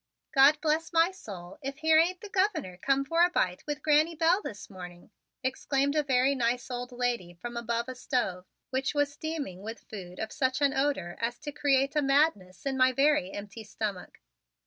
"God bless my soul, if here ain't the Governor come for a bite with Granny Bell this fine morning!" exclaimed a very nice old lady from above a stove, which was steaming with food of such an odor as to create a madness in my very empty stomach.